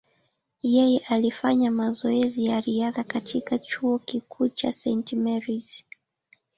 Yeye alifanya mazoezi ya riadha katika chuo kikuu cha St. Mary’s.